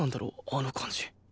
あの感じ。